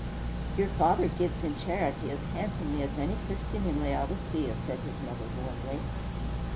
"Your father gives in charity as handsomely as any Christian in Laodicea," said his mother warmly.